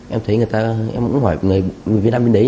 em thấy người ta em cũng hỏi người việt nam bên đấy